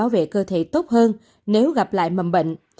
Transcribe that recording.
về cơ thể tốt hơn nếu gặp lại mầm bệnh